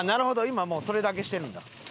今もうそれだけしてるんだ。